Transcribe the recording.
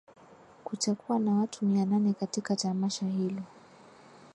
kutakuwa na watu mia nane katika tamasha hilo